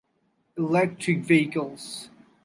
Electric vehicles.